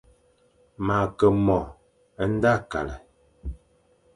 Ma Ke mo e nda kale,